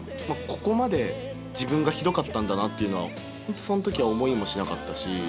ここまで自分がひどかったんだなっていうのはその時は思いもしなかったし。